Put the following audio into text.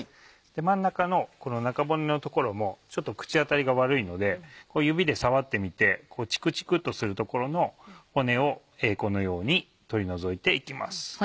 真ん中のこの中骨の所もちょっと口当たりが悪いので指で触ってみてこうチクチクっとする所の骨をこのように取り除いて行きます。